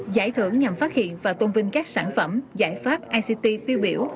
giải thưởng nhằm phát hiện và tôn vinh các sản phẩm giải pháp ict tiêu biểu